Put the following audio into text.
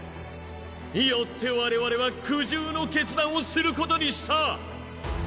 よって我々は苦渋の決断をすることにした！